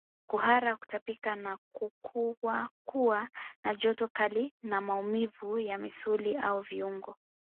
Kuhara kutapika au kuwa kuwa na joto kali na maumivu ya misuli au viungo